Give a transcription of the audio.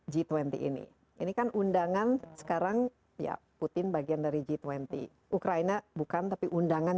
g dua puluh ini ini kan undangan sekarang ya putin bagian dari g dua puluh ukraina bukan tapi undangan